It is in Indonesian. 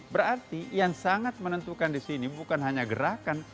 berarti yang sangat menentukan disini bukan hanya gerakan